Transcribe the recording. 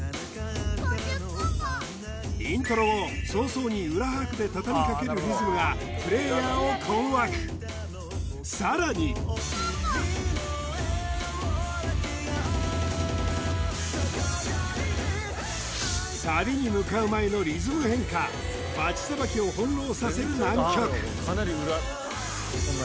あんなにイントロ後早々に裏拍でたたみかけるリズムがプレーヤーを困惑さらに笑顔だけが輝いてサビに向かう前のリズム変化バチさばきを翻弄させる難曲気まぐれかな？